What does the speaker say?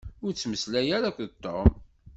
Ur ttmeslay ara akked Tom.